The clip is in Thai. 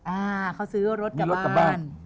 อ่าเขาซื้อรถกลับบ้าน